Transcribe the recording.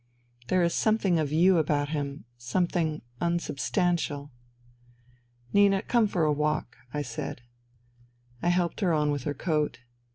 .. there is something of you about him ... something ... unsubstantial." *' Nina, come for a walk," I said. NINA 241 I helped her on with her coat.